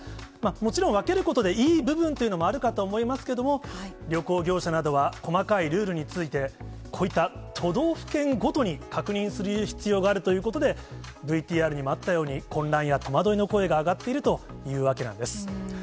もちろん、分けることでいい部分もあるかと思いますけれども、旅行業者などは細かいルールについて、こういった都道府県ごとに確認する必要があるということで、ＶＴＲにもあったように、混乱や戸惑いの声が上がっているというわけなんです。